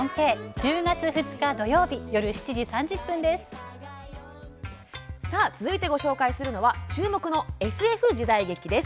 １０月２日、土曜日続いてご紹介するのは注目のＳＦ時代劇です。